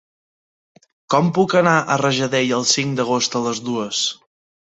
Com puc anar a Rajadell el cinc d'agost a les dues?